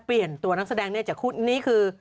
เปลี่ยนตัวนักแสดงเนี่ยจะคุ้นนี่คือ